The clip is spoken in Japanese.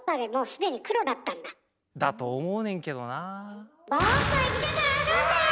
だと思うねんけどなあ。